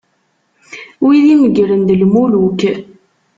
Wid imeggren, d lmuluk.